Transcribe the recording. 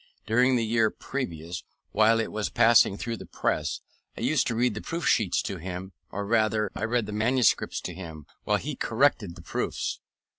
During the year previous, while it was passing through the press, I used to read the proof sheets to him; or rather, I read the manuscript to him while he corrected the proofs.